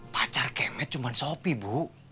pacar kemet cuma sopi bu